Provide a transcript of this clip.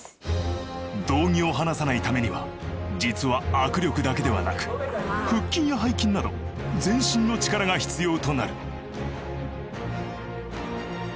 道着を離さないためには実は握力だけではなく腹筋や背筋など全身の力が必要となる。